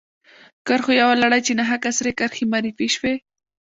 کرښو یوه لړۍ چې ناحقه سرې کرښې معرفي شوې.